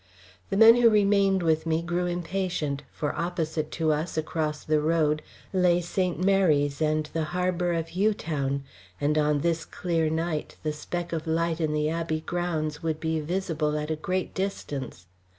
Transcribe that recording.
The men who remained with me grew impatient, for opposite to us, across the road, lay St. Mary's and the harbour of Hugh Town; and on this clear night the speck of light in the Abbey grounds would be visible at a great distance.